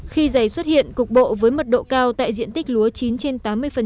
khi dày xuất hiện cục bộ với mật độ cao tại diện tích lúa chín trên tám mươi